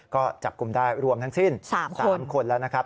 ก็จับกลุ่มได้รวมทั้งสิ้น๓คนแล้วนะครับ